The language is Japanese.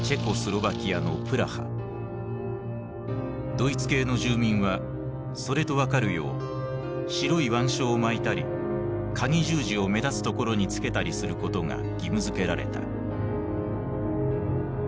ドイツ系の住民はそれと分かるよう白い腕章を巻いたり鉤十字を目立つところにつけたりすることが義務付けられた。